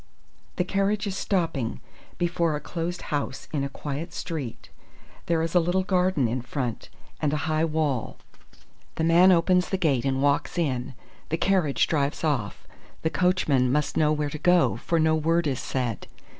"The carriage is stopping before a closed house in a quiet street. There is a little garden in front, and a high wall. The man opens the gate and walks in. The carriage drives off. The coachman must know where to go, for no word is said.